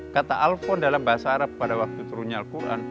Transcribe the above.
kata alfon dalam bahasa arab pada waktu turunnya al quran